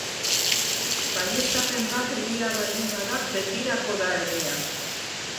Baieztapen bat egia baldin bada, betirako da egia.